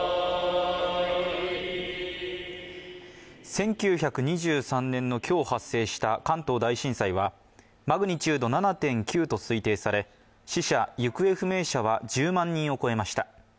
１９２３年の今日発生した関東大震災はマグニチュード７．９と推定され死者・行方不明者は１０万人を超えました。